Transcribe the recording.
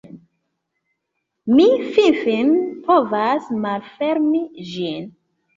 Mi finfine povas malfermi ĝin!